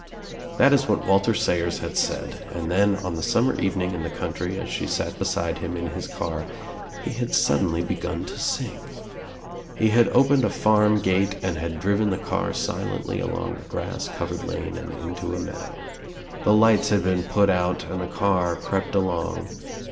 That Is what Walter Sayers had said and then on the summer evening in the country as she sat beside hira in his car he had suddenly begun to sing. He had opened a farm gate and had driven the car silently along a grass covered lane and into a meadow. The lights had been put out and the car crept along.